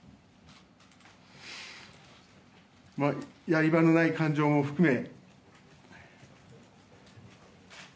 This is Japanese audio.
やり場のない感情も含め。